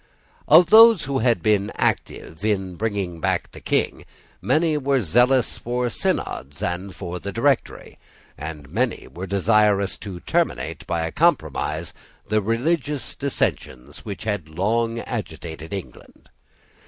Of those who had been active in bringing back the King, many were zealous for Synods and for the Directory, and many were desirous to terminate by a compromise the religious dissensions which had long agitated England.